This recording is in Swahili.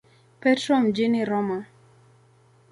Petro mjini Roma.